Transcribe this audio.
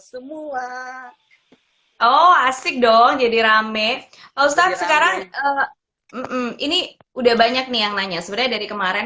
semua oh asik dong jadi rame ustadz sekarang ini udah banyak nih yang nanya sebenarnya dari kemarin